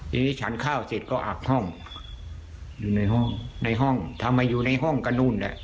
ทีนี้ฉันข้าวเสร็จก็อาบห้องอยู่ในห้องในห้องทำไมอยู่ในห้องก็นู่นแหละ